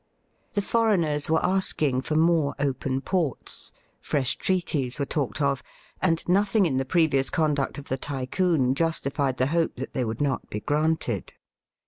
The foreigners were asking for more open ports. Fresh treaties were talked of, and nothing in the previous conduct of the Tycoon justified the hope that they would not be granted.